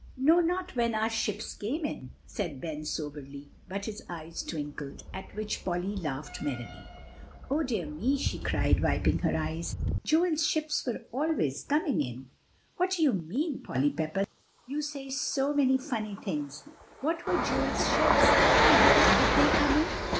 "No, not when our ships came in," said Ben soberly; but his eyes twinkled, at which Polly laughed merrily. "Oh, dear me!" she cried, wiping her eyes; "Joel's ships were always coming in." "What do you mean, Polly Pepper?" cried Van quickly. "You say so many funny things. What were Joel's ships? and when did they come in?"